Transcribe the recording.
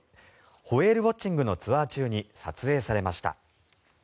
ホエールウォッチングのツアー中に撮影されました。